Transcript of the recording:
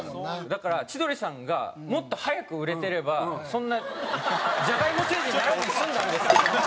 だから千鳥さんがもっと早く売れてればそんなじゃがいも星人にならずに済んだんです。